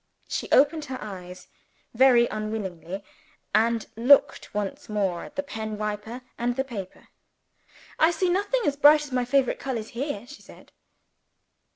She opened her eyes (very unwillingly), and looked once more at the pen wiper and the paper. "I see nothing as bright as my favorite colors here," she said.